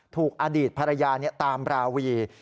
ถูกอดีตภรรยาตามราวี